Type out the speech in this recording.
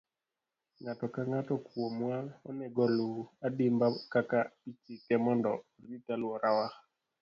Ng'ato ka ng'ato kuomwa onego oluw adimba kaka ichike mondo orit alworawa.